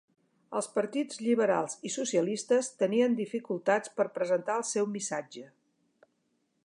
Els partits liberals i socialistes tenien dificultats per presentar el seu missatge.